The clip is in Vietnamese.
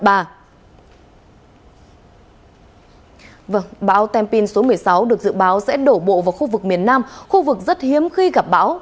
bão tampin số một mươi sáu được dự báo sẽ đổ bộ vào khu vực miền nam khu vực rất hiếm khi gặp bão